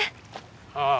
ああ。